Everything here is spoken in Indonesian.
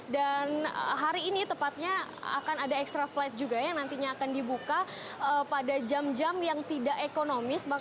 dan hari ini tepatnya akan ada extra flight juga yang nantinya akan dibuka pada jam jam yang tidak ekonomis